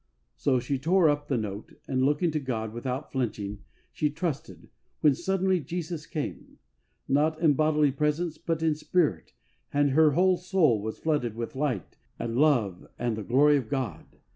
So she tore the note up, and, looking to God, without flinching, she trusted, when sud denly Jesus came, not in bodily presence, but in Spirit, and her whole soul was flooded with light and love and the glory of God.